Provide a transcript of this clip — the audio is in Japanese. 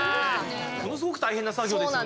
ものすごく大変な作業ですよね。